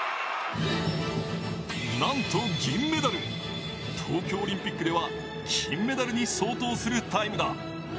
なんと銀メダル、東京オリンピックでは金メダルに相当するタイムだ。